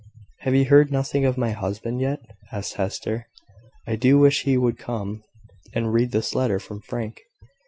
"Have you heard nothing of my husband yet?" asked Hester. "I do wish he would come, and read this letter from Frank."